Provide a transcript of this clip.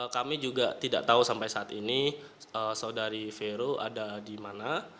kami juga tidak tahu sampai saat ini saudari vero ada di mana